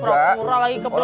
pura pura lagi kebelet